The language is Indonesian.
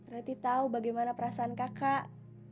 rati tau bagaimana perasaan kakak